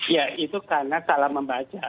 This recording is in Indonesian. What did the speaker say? ya itu karena salah membaca